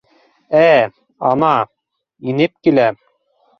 Ә, ана, инеп килә.